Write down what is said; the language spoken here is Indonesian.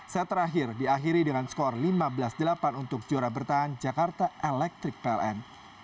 set terakhir diakhiri dengan skor lima belas delapan untuk juara bertahan jakarta electric pln